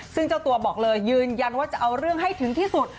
ซึ่งเจ้าตัวบอกเลยยืนยันว่าจะเอาเรื่องให้ถึงที่สุด